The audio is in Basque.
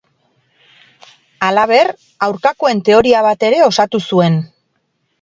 Halaber, aurkakoen teoria bat ere osatu zuen.